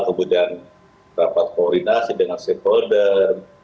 kemudian rapat koordinasi dengan stakeholder